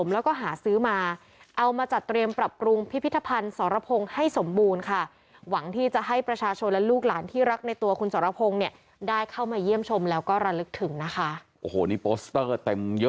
แล้วก็ระลึกถึงนะคะโอ้โหนี่โปสเตอร์เต็มเยอะแยะไปหมดเลย